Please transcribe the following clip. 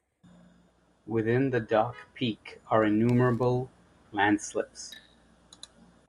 Within the Dark Peak are innumerable landslips.